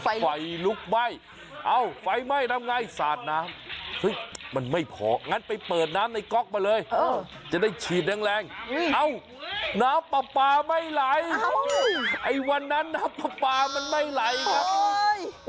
ไฟลุกไหม้เอ้าไฟไหม้ทำไงสาดน้ำเฮ้ยมันไม่พองั้นไปเปิดน้ำในก๊อกมาเลยจะได้ฉีดแรงเอ้าน้ำปลาปลาไม่ไหลไอ้วันนั้นน้ำปลาปลามันไม่ไหลครับ